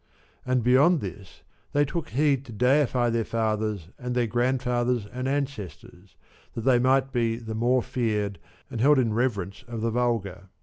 And beyond this they took heed to deify their fathers and their grandfathers and ancestors that they might be the more feared and held in reverence of the vulgar.